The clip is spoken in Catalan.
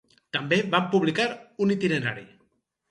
També van publicar un itinerari.